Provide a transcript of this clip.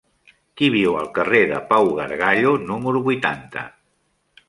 Qui viu al carrer de Pau Gargallo número vuitanta?